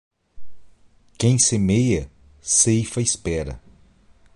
Quem semeia, ceifa espera.